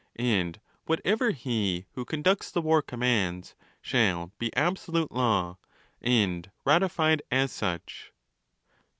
And whatever he who conducts the war commands, shall be absolute law, and ratified as such.